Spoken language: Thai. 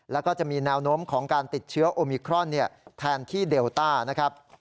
แล้วก็จะมีแนวโน้มของการติดเชื้อโอมิครอนแทนที่เดลต้านะครับ